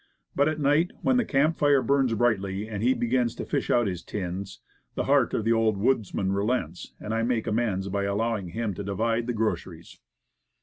But at night, when the camp fire burns brightly, and he begins to fish out his tins, the heart of the Old Woodsman relents, and I make amends by allowing him to divide the groceries.